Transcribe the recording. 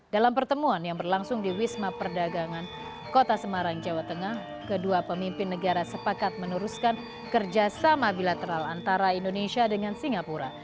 dalam pertemuan yang berlangsung di wisma perdagangan kota semarang jawa tengah kedua pemimpin negara sepakat meneruskan kerjasama bilateral antara indonesia dengan singapura